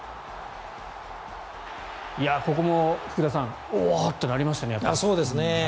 ここも福田さんおお！ってなりましたね。